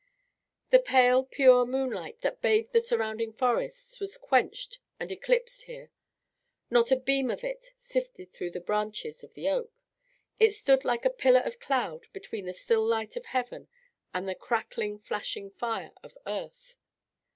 The pale, pure moonlight that bathed the surrounding forests was quenched and eclipsed here. Not a beam of it sifted through the branches of the oak. It stood like a pillar of cloud between the still light of heaven and the crackling, flashing fire of earth.